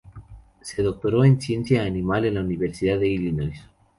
Se doctoró en Ciencia Animal en la Universidad de Illinois.